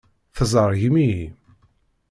Tzerrgem-iyi.